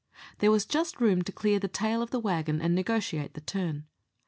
There was just room to clear the tail of the waggon and negotiate the turn.